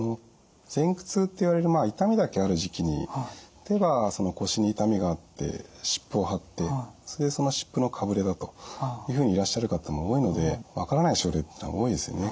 前駆痛っていわれる痛みだけある時期に例えば腰に痛みがあって湿布を貼ってそれでその湿布のかぶれだというふうにいらっしゃる方も多いので分からない症例っていうのは多いですよね